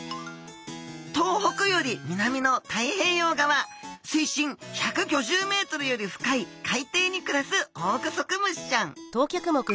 東北より南の太平洋側水深１５０ｍより深い海底に暮らすオオグソクムシちゃん。